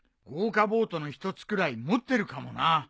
豪華ボートの一つくらい持ってるかもな。